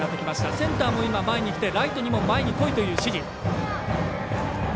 センターも前に来てライトにも前に来いという指示。